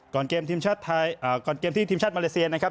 เกมทีมชาติไทยก่อนเกมที่ทีมชาติมาเลเซียนะครับ